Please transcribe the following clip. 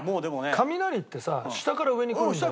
雷ってさ下から上に来るんだよね？